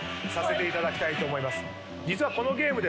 実はこのゲームですね